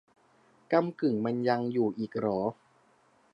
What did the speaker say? ก้ำกึ่งมันยังอยู่อีกเหรอ !